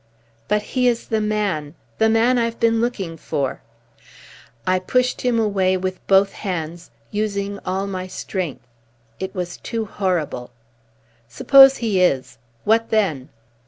"But he is the man the man I've been looking for." I pushed him away with both hands, using all my strength. It was too horrible. "Suppose he is. What then?"